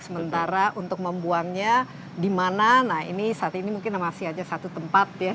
sementara untuk membuangnya di mana nah ini saat ini mungkin masih aja satu tempat ya